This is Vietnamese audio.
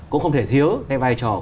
cũng không thể thiếu vai trò